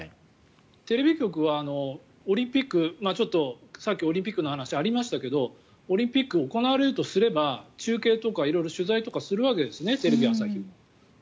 テレビ局はオリンピックちょっとさっきオリンピックの話がありましたけどオリンピックが行われるとすれば中継とか色々取材とかするわけですねテレビ朝日も。